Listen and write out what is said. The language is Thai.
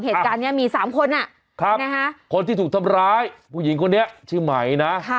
เหตุการณ์นี้มี๓คนคนที่ถูกทำร้ายผู้หญิงคนนี้ชื่อไหมนะ